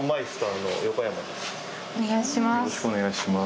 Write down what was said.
お願いします。